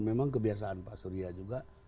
memang kebiasaan pak surya juga